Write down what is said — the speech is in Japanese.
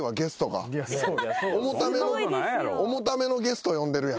重ためのゲスト呼んでるやん。